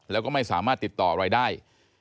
แล้วก็ไม่สามารถติดต่ออะไรได้